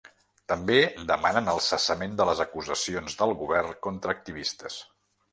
També demanen el cessament de les acusacions del govern contra activistes.